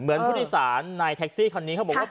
เหมือนผู้นิสานในแท็กซี่คันนี้เขาบอกว่า